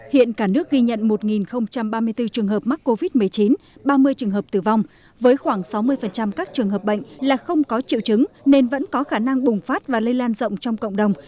hiện cả nước ghi nhận một ba mươi bốn trường hợp mắc covid một mươi chín ba mươi trường hợp tử vong với khoảng sáu mươi các trường hợp bệnh là không có triệu chứng nên vẫn có khả năng bùng phát và lây lan rộng trong cộng đồng